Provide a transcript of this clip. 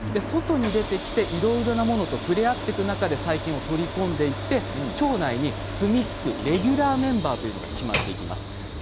外に出てきていろいろなものと触れ合っていく中で細菌を取り込んでいって腸内にすみつくレギュラーメンバーというのが決まってきます。